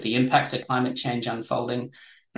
ketika kita melihat kesan keadaan kondisi